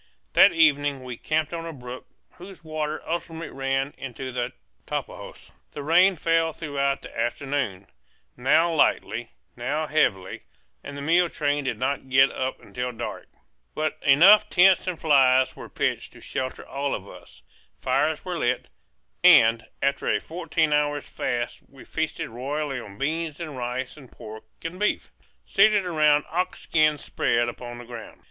That evening we camped on a brook whose waters ultimately ran into the Tapajos. The rain fell throughout the afternoon, now lightly, now heavily, and the mule train did not get up until dark. But enough tents and flies were pitched to shelter all of us. Fires were lit, and after a fourteen hours' fast we feasted royally on beans and rice and pork and beef, seated around ox skins spread upon the ground.